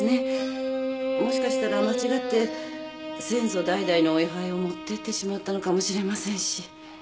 もしかしたら間違って先祖代々のお位牌を持ってってしまったのかもしれませんし。